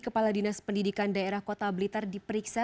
kepala dinas pendidikan daerah kota blitar diperiksa